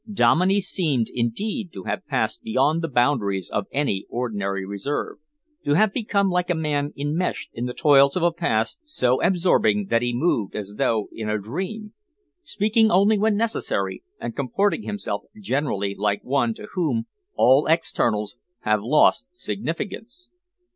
Dominey seemed, indeed, to have passed beyond the boundaries of any ordinary reserve, to have become like a man immeshed in the toils of a past so absorbing that he moved as though in a dream, speaking only when necessary and comporting himself generally like one to whom all externals have lost significance.